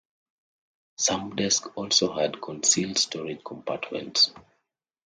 Some desks also had concealed storage compartments.